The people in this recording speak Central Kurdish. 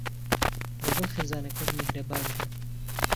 لەگەڵ خیزانەکەت مێهرەبان بە